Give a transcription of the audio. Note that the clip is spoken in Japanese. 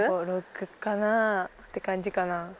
６？６かなって感じかな。